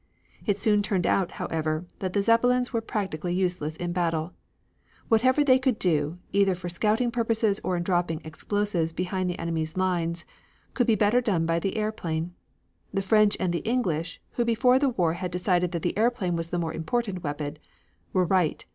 It soon turned out, however, that the Zeppelins were practically useless in battle. Whatever they could do, either for scouting purposes or in dropping explosives behind the enemy's lines, could be better done by the airplane. The French and the English, who before the war had decided that the airplane was the more important weapon, were right.